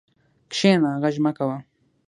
کښېنه، غږ مه کوه.